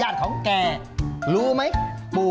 ไอลอนไอลอนมาเร็ว